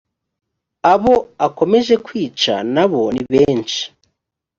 abo akomeje kwica na bo ni benshi